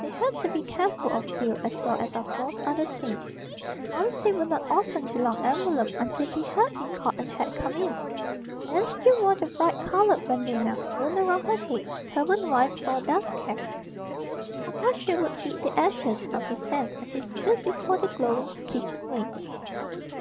They had to be careful of fuel as well as of most other things. Momsey would not open the long envelope until he had been called and had come in. Nan still wore the bright colored bandana wound about her head, turban wise, for a dust cap. Papa Sherwood beat the ashes from his hands as he stood before the glowing kitchen range.